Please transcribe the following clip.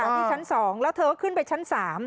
ที่ชั้น๒แล้วเธอก็ขึ้นไปชั้น๓